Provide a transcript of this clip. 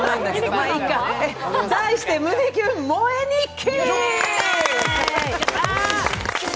題して「胸キュン萌え日記」。